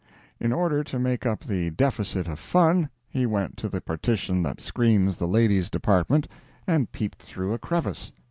In order to make up the deficit of fun, he went to the partition that screens the ladies' department, and peeped through a crevice.